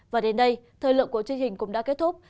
và đến đây thời lượng của chương trình cũng đã kết thúc